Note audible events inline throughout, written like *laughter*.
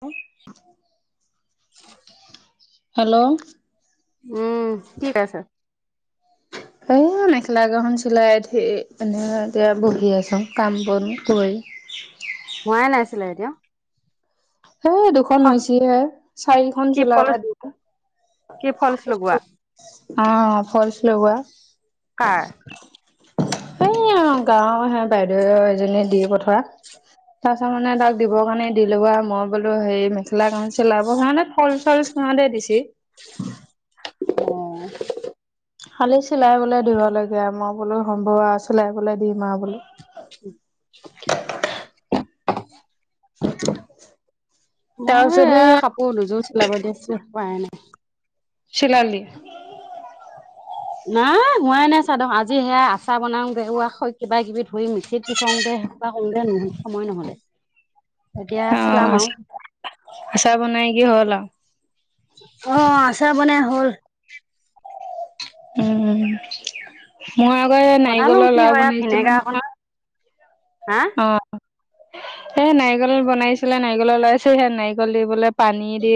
হয় উ হেল্ল' উম ঠিক আছে এ *inaudible* মেখেলা গৰখন চিলাই এনে এতিয়া বহি আছোঁ কাম বন কৰি *inaudible* হোৱাই নাছিলে এতিয়া হেই দুখন হৈছিহে চাৰিখন কি ফল চিলাবা দি কি ফলচ লগোৱা অ ফলচ লগোৱা কাৰ বাইদেউে এজনী দি পঠোৱা, তাৰ পাছত মানে তাক দিবৰ কাৰণে দিলোঁ আও মই বোলো হেৰি মেখেলা কেইখনখন চিলাব কাৰণে ফলচ- চলচ সিহঁতে দিচি। খালি চিলাই বোলে দিব লাগে, মই বোলো সম্ভৱ আৰু চিলাই ব'লৈ দিম আৰু বোলো *unintelligible* মই তাৰপিছতে এয়া ইয়াত কাপোৰ দুযোৰ চিলাব দি আছোঁ হোৱাই নাই। চিলালি? নাই হোৱাই নাই চাদ খন আজি হেয়া, আচাৰ বনাওঁ, বেহুদা সৈ কিবা কিবি ধৰি মিক্সিত পিছোংগে হে সোপা কৰোঁতে সময় ন'হলে এতিয়া চিলাম অ', আৰু আচাৰ বনাইকি হ'ল আৰু? অ', আচাৰ বনাই হ'ল। উম, মই আকৌ হে বনালো নাৰিকলৰ কি লাৰু বনাইছিলে নহয় হাঁ? এ নাৰিকল বনাইছিলে নাৰিকলৰ ওলাইছে সে নাৰিকল দিবলে পানী দি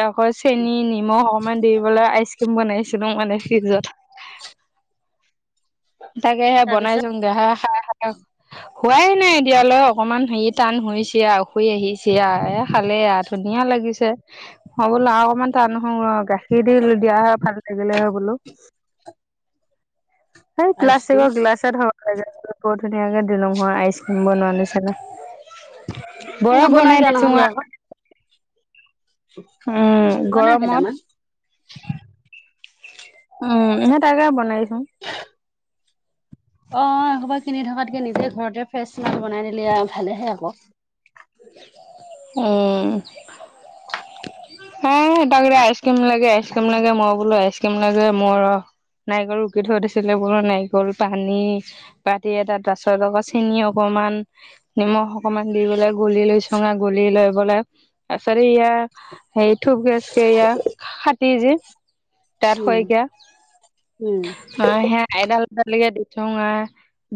তাকৈ চেনি নিমখ অকমান দি পালাই আইচক্ৰীম বনাইছিলোঁ মানে ফ্ৰিজত তাকে সে বনাই তাৰপিছত চওঁ গে আহা *unintelligible* হোৱাই নাই এতিয়ালৈ অকনমান হেৰি টান হৈ হৈছে আৰু হৈ আহিছে আৰু এখালে আ ধুনীয়া লাগে লাগিছে মই বোলো আৰু অকণমান টান হ গাখীৰ দি দিয়া হয় ভাল লাগিলে হয় বোলো সেই আইচক্ৰীম প্লাষ্টিকৰ গ্লাছত হ'ব লাগে। বত ধুনীয়াকে দিলোং হয় আইচক্ৰীম বনোৱা নিছিলে বৰফ বনাই নবনাইগে দিছোঁ নহলে আকৌ মই উম বনা গৰমত কেটামান উম এনে তাকে বনাইছোঁ। অ', এইসোপা কিনি থকাতকে নিজে ঘৰতে ফ্ৰেচ ইমান বনাই দিলে ভালেহে আকৌ। উম। হ তাক আইচক্ৰীম লাগে, আইচক্ৰীম লাগে, মই বোলো আইচক্ৰীম লাগে, মই ৰহ্ নাৰিকল ৰুকি থৈ দিছিলে, বোৰ নাৰিকল পানী পাতি এ তাত পাছত আকৌ চেনি অক অকমান, নিমখ অকমান দি পেলাই গুলি লৈছঙা, গুলি লৈ পেলাই, তাইছত সেয়া সেই ধূপ গেছ কে ইয়য়া খাটি যে তাত উম শইকীয়া, উম, অ' সেয়া এডাল তেনেকে দি থোং আৰ,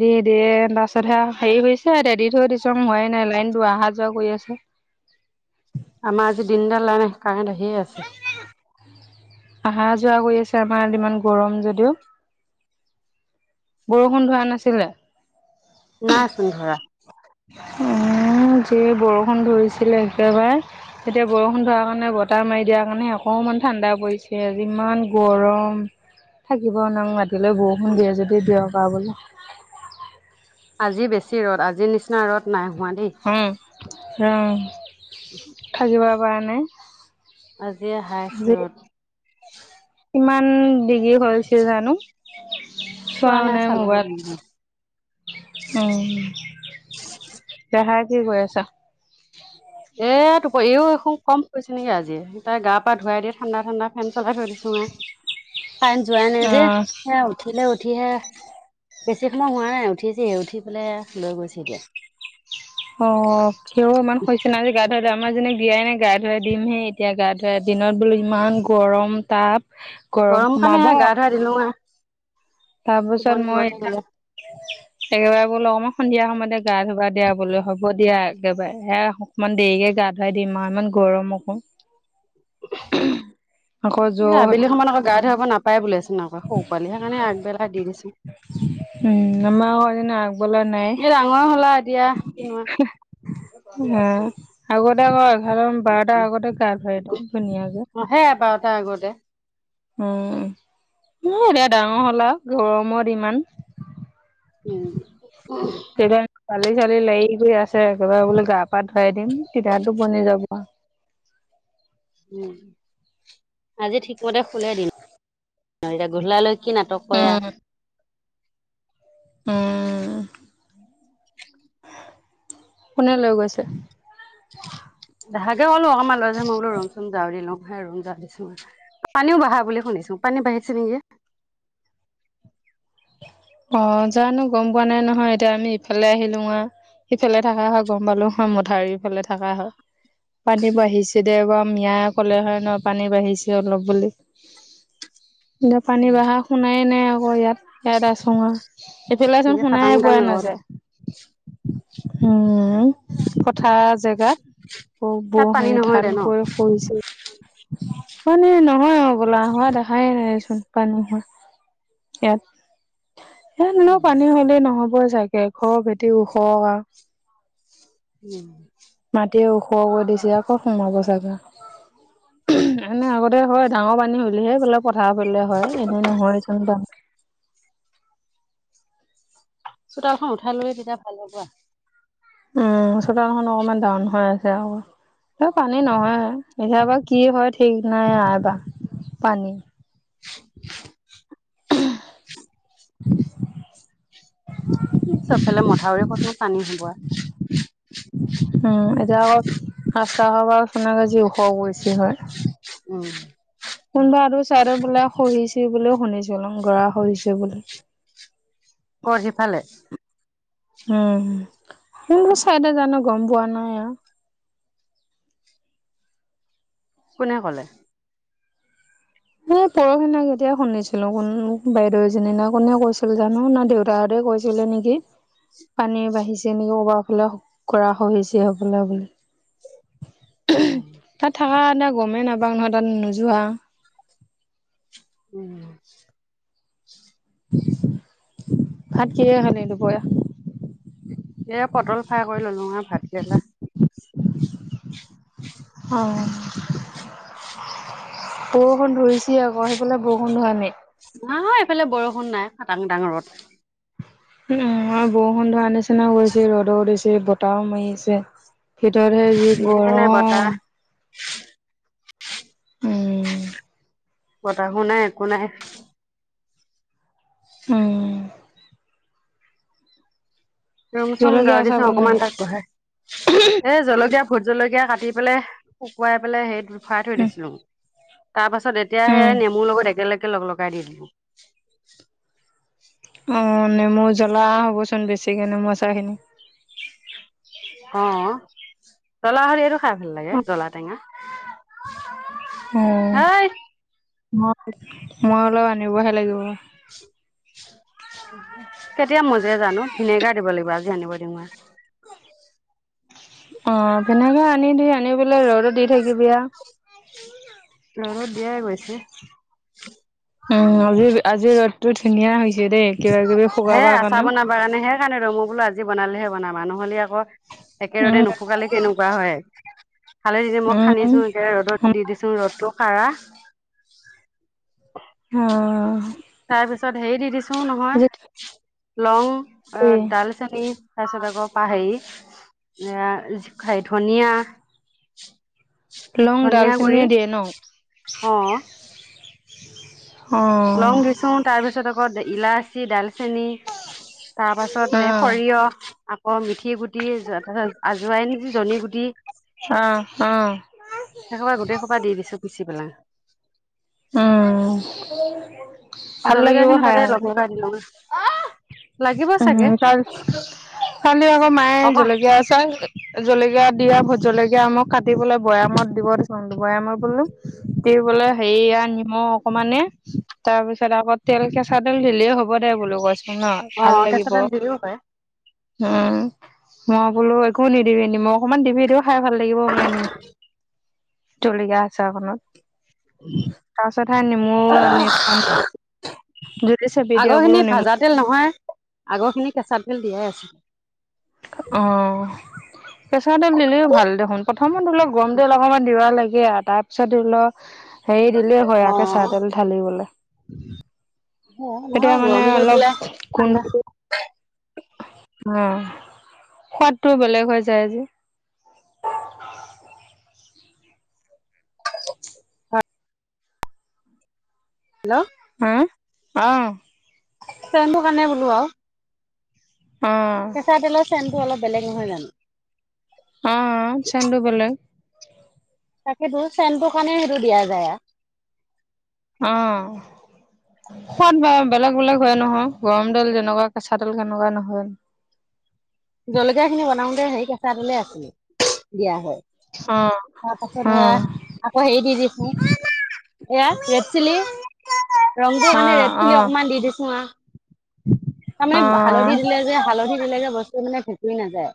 দি দিয়ে তাৰপছতহে হেৰি হৈছে দি দিয়ে থৈ দি থং হোৱাই নাই লে লাইনটো আহা যোৱা কৰি আছে আমাৰ আজি দিনডাল নাই কাৰেণ্ট আহিয়ে আছে আহা যোৱা কৰি আছে আমাৰ ইমান গৰম যদিও বৰষুণ ধোৱা নাছিলে। নাইচোন ধৰা। উম যিহে বৰষুণ ধৰিছিলে একেবাৰে এতিয়া বৰষুণ ধোৱাৰ কাৰণে ব আতাৰ মাৰি দিয়া কাৰণে অকমান ঠাণ্ডা পৰিছে আজি ইমান গৰম থাকিব ন ৰাতিলৈ বৰষুণ দিয়ে যদি দিয়ক আৰু বোলে আজি বেছি ৰ'দ, আজি নিচিনা ৰ'দ নাই। হোৱা দেই, অ', ৰ থাকিব পৰা নাই। আজি হায়েছ ৰ'দ। ইমান ডিগ্ৰী হৈছিল জানো চোৱা চোৱাও নাই চালে মোবাইলত। উম, দেহাই কি‌ কৰি আছা? অ' এইও একো কম হৈছে নেকি আজি তাই গা পা ধুৱাই দি ঠাণ্ডা ঠাণ্ডা ফেন চলাই থৈ দিছোঁ মই। কাৰেণ্ট যোৱা নাই যে, অ', সেয়া উঠিলে উ উঠি, হে বেছি সময় হোৱা নাই উঠিছেহে উঠি পেলাই লৈ গৈছে এতিয়া। অ', তেওঁ ইমান শুনিছেনে আজি গা ধোৱা আমাৰ জনীক দিয়াই নাই গা ধুৱাই দিমহেই এতিয়া গা ধুৱাই দিনত বোলো ইমান গৰম তাপ। গৰম কাৰণে সোমাব। সেয়া গা ধুৱাই দিলো আৰু, তাৰ পিছত টোপনি গৈ মই থাকিলে। একেবাৰে বোলো মই সন্ধিয়া সময়তে গা ধুবা দিয়াবলৈ হ'ব দিয়া একেবাৰে এ অকমান দেৰিকে গা ধুৱাই দিম আৰু ইমান গৰম অকো এ য'ত আবেলি সময়ত আকৌ গা ধুৱাব নাপায় বোলে চোন আক। সৰু পোৱালি সেইকাৰণে আগবেলা দি দিছো। *unintelligible* আগবেলা নাই। এই ডাঙৰ হ'লা এতিয়া, কিনো আৰু। অ, আগতে ক বাৰটা আগতে গা ধোৱাই দিওঁ ধুনীয়াকে। অ সেয়া বাৰটাৰ আগতে উম, এ এতিয়া ডাঙৰ হ'ল আৰু গৰমত ইমান উম। তেতিয়া বালি চালি লাৰি গৈ আছে একেবাৰে বোলো গা পা ধুৱাই দিম তেতিয়া টোপনি যাব। অ' উম, আজি ঠিকমতে শুলে দিন এতিয়া গোধলালৈ কি নাটক কৰে উম উম কোনে লৈ গৈছে? দেহাগে ক'লো অকনমান লৈ যা মই বোলো ৰুম চোম ঝাৰু দি লওঁ। ৰুম ঝাৰু‌ দিছোঁ পানীও বাঢ়া বুলি শুনিছো পানী বাঢ়িছে নেকি? অ, জানো গম পোৱা নাই নহয় এতিয়া আমি ইফালে আহিলো আৰু। সিফালে থাকা হয় গম পালোঁ হয় মঠাওৰিফালে থাকা হয়। পানী বাঢ়িছে দে এবাৰ মিয়াই ক'লে হয় নহ পানী বাঢ়িছে অলপ বুলি। *unintelligible* এতিয়া পানী বঢ়া শুনায়ে নাই আকৌ ইয়াত। এটা চুঙা এইফালেচোন এ কাটাং শুনাই কুটাং পোৱা ৰদ নাযায়। উম, পথাৰৰ জেগাত। তাত বৰ পানী হেৰি নহয় দে ন ধানকৈ কৰিছিল মানে নহয় আৰু বলা হোৱা দেখায়ে নাই চোন পানী হোৱা ইয়াত। এনেও পানী হ'লে নহবই চাগে ঘৰ ভেটি ওখ। উম মাটিয়ে ওখ কৰি দিছে আকৌ সোমাব চাগে। এনে আগতে হয় ডাঙৰ পানী হলিহে বোলে প ফালে হয় এইবাৰ নহয় চোতালখন উঠাই ল'লে তেতিয়া ভাল হ'ব। উম, চোতালখন অকণমান দাউন হৈ আছে আৰু। পানী নহয় এতিয়াবা কি হয় ঠিক নাই এবাৰ। পানী *unintelligible* *unintelligible* চবফালে মথাউৰি কতনো পানী হবৱা। উম এতিয়া আকৌ ৰাস্তা হোৱাৰ পৰাচোন‌ যি ওখ হৈ গৈছে হয়। উম। কোনোবা আৰু চাইদৰ বোলে খহিছে বুলিও শুনিছো গৰা খহিছে বুলি। কৰ সিফালে। উম, কোনটো চাইদট জানো গম পোৱা নাই। কোনে ক'লে? সেই পৰোহিনে কেতিয়া শুনিছিলোঁ কোন বাইদেউজনি না কোনে কৈছিল জানো না দেউতাহঁতে। কৈছিলে নেকি। পানী বাঢ়িছে নেকি কৰবাৰ ফালে গৰা খহিছে সেইফালে বুলি। উম তাত থাকা এতিয়া গমেই নাপাওঁ নহয় তাত নোযোৱা উম। ভাত কিহেৰে খালি দুপৰীয়া। এয়া পটল ফ্ৰাই কৰি ললো আৰু ভাত কেইটা অ', বৰষুণ ধৰিছে আকৌ সেইফালে বৰষুণ ধৰা‌ নাই। নাই এইফালে বৰষুণ নাই খাডাং ডাং ৰদ উম, বৰষুণ ধৰা নিচিনাও কৰিছে ৰ'দ দিছে বতাহও মাৰি আছে। জি গৰম হয়। উম বতাহো নাই একো নাই। উম, ৰুম চুম জলকীয়া ঝাৰু আচাৰ দিছো বনোৱা অকনমান নাই? তাক বহাই এ জলকীয়া ভুট জলকীয়া কাটি পেলাই শুকুৱাই পেলাই সেই হেৰিত ভৰাই থৈ উম দিছিলো। তাৰ পাছত এতিয়া উম সেই নেমুৰ লগত একেলগে লগ - লগাই দিছো। অ, নেমু জ্বলা হ'ব চোন বেছিকে নেমু আচাৰ খিনি। অ, জ্বলা হেৰি সেইটো খাই ভাল লাগে জলা টেঙা হই। মই - মই অলপ আনিবহে লাগিব। কেতিয়া মজে জানো। ভিনেগাৰ দিব লাগিব আজি আনিব লাগিব। *unintelligible* অ, ভেনেগাৰ আনি দি আনি পেল ৰ'দত দি থাকিবি আ ৰ'দত দিয়াই *inaudible* উম, আজি - আজিৰ ৰ'দটোত ধুনীয়া হৈছে দেই। কিবা কিবি হে শুকাবাৰ আচাৰ কাৰণেও। বনাবা কাৰণে হেইকাৰণে ৰ মই বোলো আজি বনালেহে বনাবা নহলে আকৌ একেৰদে উম নুশুকালে কেনেকুৱা হয়। ভালে মই খান্দিছো উম এ ৰ'দত দি দিছো ৰ'দটো কাৰা। অ তাৰ পিছত হেৰি দি - দিছো নহয়। আজি লং অ, ডালচেনিনি তাৰ পিছত আকৌ *unintelligible* এ ধনিয়া। লং ধনিয়া গুৰি ডালচেনিয়ে দিয়ে ন। অ অ', লং দিচু তাৰ পিছত আকৌ ইলাচি ডাল *unintelligible* তাৰপাছত এ অ', সৰিয়হ আক' মেথিগুটি *unintelligible* আজোৱাইন, জনী গুটি। অ', অ', একবাৰে গোটেই সোপা দি দিছোঁ পিচি পেলাই। উম। ভাল জলকীয়া লাগিব খিনি খাই। তাতে লগ লগাই দিলগে। উম কালি আকৌ মায়ে অক জলকীয়া আচাৰ। জলকীয়া দিয়া ভোট জলকীয়া মোক কাটি পেলাই বৈয়ামত দিব দিছোঁ বৈয়ামত বুলো বোলে হেৰি য়া নিমখ অকমানে তাৰ পিছত আকৌ তেল কেঁচা তেল দিলে হ'ব দে বোলো। *unintelligible* টো ন অ ভাল কেঁচা লাগিব তেল দি দিব পাৰে উম। মই বোলো একো নিদিবি নিমখ অকমান দিবি দিও খাই ভাল লাগিব মই আনিম। জলকীয়া আচাৰ অকণত। তাৰপিছত সে নেমু অ' নেমুপানী আগৰখিনি ভাজা তেল নহয়। আগৰখিনি কেঁচা তেল দিয়াই আছিল। অ প্ৰেছাৰত তেল দিলেও ভাল দেখোন প্ৰথমত অলপ গৰম তেল অকণমান দিবা লাগে আৰু তাৰপিছত ধৰি লওক হেৰি দিলে হয় আ অ কেচা তেল ঢালিবলৈ। সেয়াই নহয় এতিয়া মানে গৰম কৰি অলপ পেলাই কোন ঠাণ্ডা *unintelligible* অ' সোৱাদটোও বেলেগ হৈ যায় যে। *inaudible* হেল্ল' হা অহ। চেমটো কাৰণে বোলো আও। অ কেঁচা তেলৰ চেনটো অলপ বেলেগ নহয় জানো। অ অ চেনতু বেলেগ। তাকেইটো চেমটো কাৰণে সেইটো দিয়া যায় আ অ সোৱাদ বেলেগ বেলেগ হয় নহয় গৰম তেল যেনেকুৱা কেঁচা তেল কেনেকুৱা নহয়। জলকীয়া খিনি বনাওতে হেই কেঁচা তেলে আছিল দিয়া হয়। অ তাৰপাছত অ এ আকৌ হেৰি দি দিছোঁ। এয়া ৰেড চিলি ৰংটো অ কাৰণে ৰেড চিলি অকনমান দি দিছো আও, অ তাৰমানে হালধি দিলে যে হালধি দিলে যে বস্তু মানে ভেঁকুৰি নাযায়।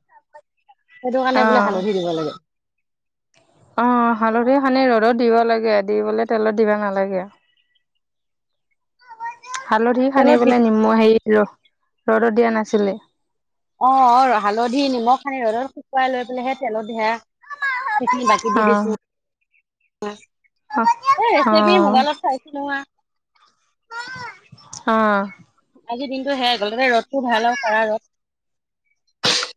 সেইটো অ কাৰণে বোলে অ হালধি দিব লাগে। অ হালধি সানি ৰ'দত দিব লাগে দি পেলাই তেলত দিবা নালাগে। *inaudible* হালধি তেলত দি সানিপেলাই নিম হেৰিত ৰহ ৰ'দত দিয়া নাছিলে। অ, হালধি নিমখ সানি ধ শুকুৱাই লৈ পেলাই সেই তেলত ধেয়া। সেইখিনি বাকী অ দিদ চ অ এই অ অ ৰেচিপি মোবাইলত চাইছে নোৱা। অ', আজিৰ দিনটো সেয়াই গ'ল তয়া ৰ'দটো ভাল আৰু কাৰা ৰ'দ।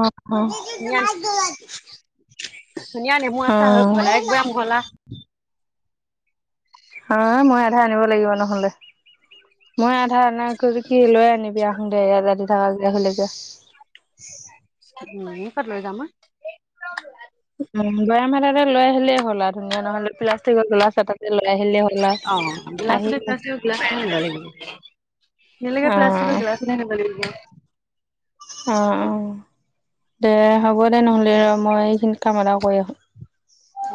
অহ - অহ। ধুনীয়া ধুনীয়া নাই মোৰ আছা হৈ গলা একবাৰম হলা। অ, মই আধা আনিব লাগিব নহলে। মই আধা এনে কৰি কি লৈ আনিবি আহো দে ইয়াত ৰাদি থকা আহিলকে। *inaudible* উম, ক লৈ যামা উম, বয়া মাহতে লৈ আহিলেই হ'ল আৰু ধুনীয়া নহলে প্লাষ্টিকৰ গল চ লৈ আহিলে হ'ল অ' গ্লাছতে আৰু আহি। নিলগ প্লাষ্টিকেল গ্লাছে নাগে অ - অ দে হ'ব দে নহ'লে ৰ মই এইখিনি কাম এটা কৰি আহো।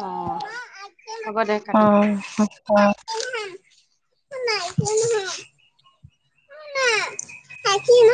অ'। হ'ব দে অ কাটি দে। - অ। *unintelligible* কি ন